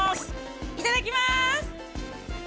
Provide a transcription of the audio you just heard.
いただきまーす！